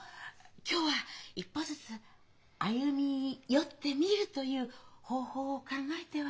今日は一歩ずつ歩み寄ってみるという方法を考えては？